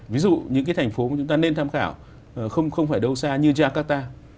ví dụ những cái thành phố mà chúng ta nên tham khảo không phải đâu xa như jakarta